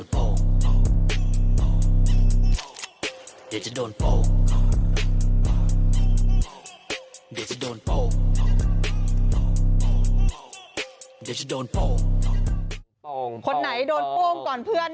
โป้งโป้งพี่คนนั้ยโดนโป้งก่อนเพื่อน